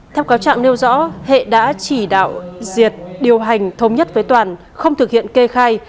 theo cáo trạng nêu rõ hệ đã chỉ đạo diệt điều hành thống nhất với toàn không thực hiện kê khai